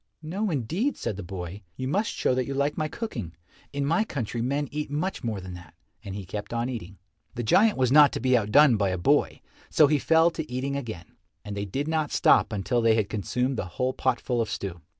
"No, indeed," said the boy, "you must show that you like my cooking. In my country men eat much more than that," and he kept on eating. The giant was not to be outdone by a boy, so he fell to eating again, and they did not stop until they had consumed the whole potful of stew.